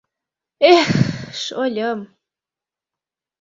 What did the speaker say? — Эх, шольым!